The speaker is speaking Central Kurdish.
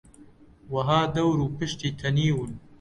وەها دەور و پشتی تەنیون